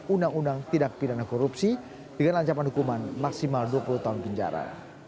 undang undang tidak pidana korupsi dengan ancaman hukuman maksimal dua puluh tahun penjara